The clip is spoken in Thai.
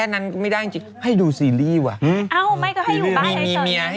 นี่